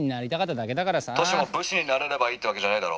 「歳も武士になれればいいってわけじゃねえだろ？」。